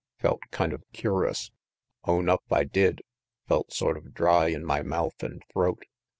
Felt kind of cur'us own up I did; Felt sort of dry in my mouth an' throat.